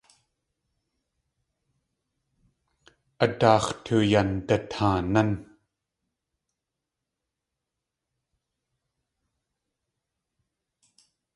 A daax̲ tuyandataanán!